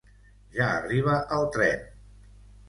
Ja arriba el tren!